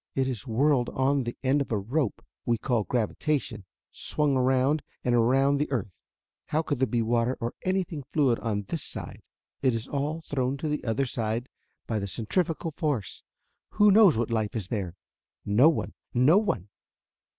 It is whirled on the end of a rope (we call it gravitation), swung around and around the earth. How could there be water or anything fluid on this side? It is all thrown to the other side by the centrifugal force. Who knows what life is there? No one no one!